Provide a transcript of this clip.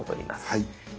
はい。